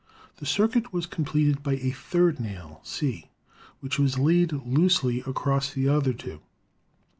The circuit was completed by a third nail, C, which was laid loosely across the other two.